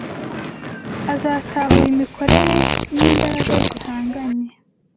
Azatahura imikorere y’imbaraga zihanganye